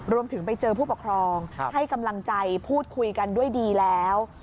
รวมถึงไปเจอผู้ปกครองให้กำลังใจพูดคุยกันด้วยดีแล้ว